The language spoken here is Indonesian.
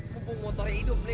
kumpul motornya hidup lih